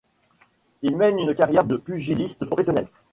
Il mène une carrière de pugiliste professionnel.